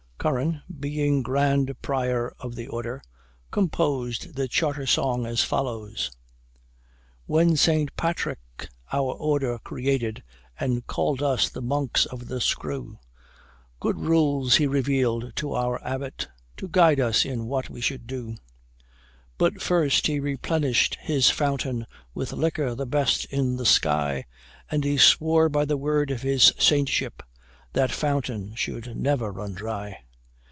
Curran, being Grand Prior of the order, composed the charter song as follows: When Saint Patrick our order created, And called us the Monks of the Screw, Good rules he revealed to our Abbot, To guide us in what we should do. But first he replenished his fountain With liquor the best in the sky: And he swore by the word of his saintship That fountain should never run dry.